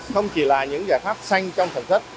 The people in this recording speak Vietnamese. không chỉ là những giải pháp xanh trong sản xuất